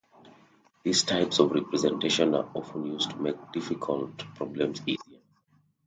These types of representations are often used to make difficult problems easier.